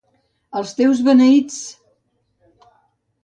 Els teus beneits!